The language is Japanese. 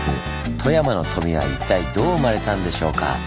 富山の「富」は一体どう生まれたんでしょうか？